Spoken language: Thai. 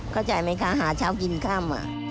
เข้าใจไหมคะหาเช้ากินค่ำ